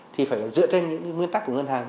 thì phải dựa trên những nguyên tắc của ngân hàng